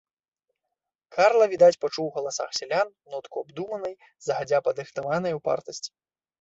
Карла, відаць, пачуў у галасах сялян нотку абдуманай, загадзя падрыхтаванай упартасці.